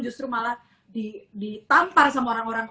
justru malah ditampar sama orang orang